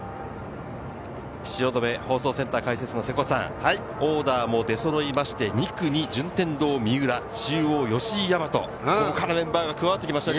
汐留放送センター解説の瀬古さん、オーダーも出揃いまして、２区に順天堂・三浦、中央・吉居大和、豪華なメンバーが加わってきましたね。